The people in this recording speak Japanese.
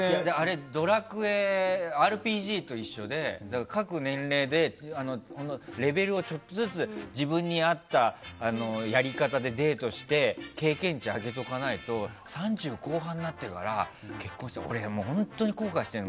ＲＰＧと一緒で各年齢で、レベルをちょっとずつ自分に合ったやり方でデートして経験値を上げておかないと３０後半になってから結婚して俺、本当に後悔してるもん。